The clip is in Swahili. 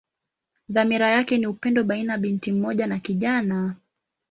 Dhamira yake ni upendo baina binti mmoja na kijana.